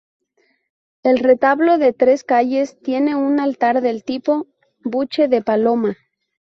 El retablo de tres calles tiene un altar del tipo "buche de paloma".